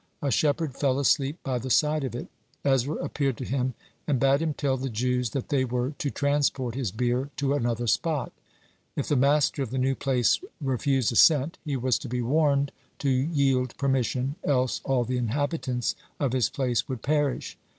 A shepherd fell asleep by the side of it. Ezra appeared to him and bade him tell the Jews that they were to transport his bier to another spot. If the master of the new place refused assent, he was to be warned to yield permission, else all the inhabitants of his place would perish.